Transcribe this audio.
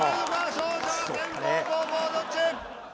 勝者は先攻後攻どっち？